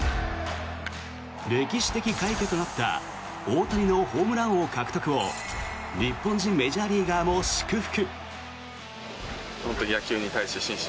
歴史的快挙となった大谷のホームラン王獲得を日本人メジャーリーガーも祝福。